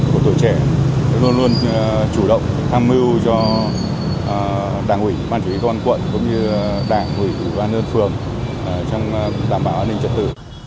một tuổi trẻ luôn luôn chủ động tham mưu cho đảng ủy ban chỉ huy cơ quan quận cũng như đảng ủy ubnd phường trong đảm bảo an ninh trật tự